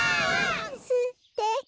すてき！